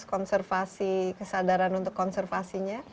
konservasi kesadaran untuk konservasinya